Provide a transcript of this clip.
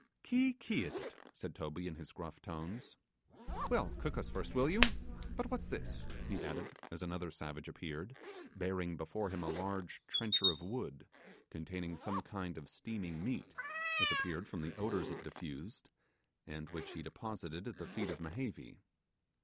'Ki ki! is it?' said Toby in his gruff tones; 'Well, cook us first, will you but what's this?' he added, as another savage appeared, bearing before him a large trencher of wood containing some kind of steaming meat, as appeared from the odours it diffused, and which he deposited at the feet of Mehevi.